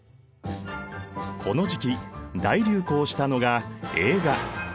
この時期大流行したのが映画。